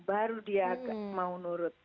baru dia mau nurut